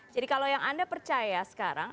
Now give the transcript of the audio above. jadi kalau yang anda percaya sekarang